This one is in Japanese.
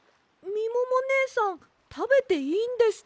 みももねえさんたべていいんですか？